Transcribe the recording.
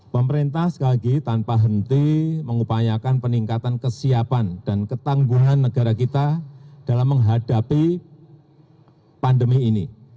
pemerintah sekali lagi tanpa henti mengupayakan peningkatan kesiapan dan ketangguhan negara kita dalam menghadapi pandemi ini